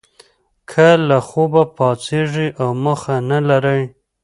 که له خوبه پاڅیږی او موخه نه لرئ